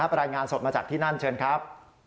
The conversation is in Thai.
รายงานสดมาจากที่นั่นเชิญครับ